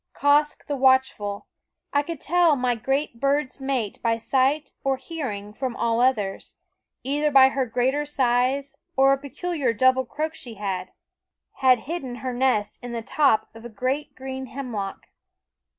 Quoskh the Watchful I could tell my great bird's mate by sight or hearing from all others, either by her greater size or a pecu liar double croak she had had hidden her nest in the top of a great green hemlock.